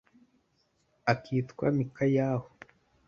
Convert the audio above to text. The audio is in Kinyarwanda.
akitwa mikayahu